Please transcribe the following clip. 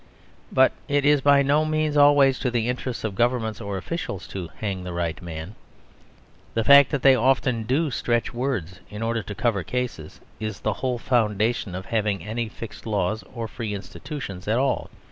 But it is by no means always to the interests of governments or officials to hang the right man. The fact that they often do stretch words in order to cover cases is the whole foundation of having any fixed laws or free institutions at all.